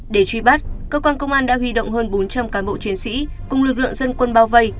để truy bắt cơ quan công an đã huy động hơn bốn trăm linh cán bộ chiến sĩ cùng lực lượng dân quân bao vây